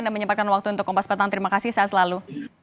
anda menyempatkan waktu untuk kompas petang terima kasih saya selalu